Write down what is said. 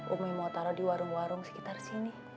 umi mau taruh di warung warung sekitar sini